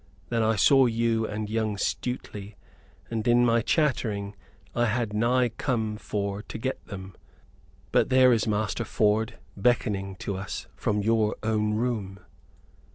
Then I saw you and young Stuteley, and in my chattering I had nigh come to forget them. But there is Master Ford beckoning to us from your own room."